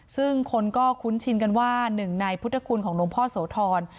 ซึ่งคนก็คุ้นชินกันว่าหนึ่งในพุทธคุณของหลวงพ่อโสธร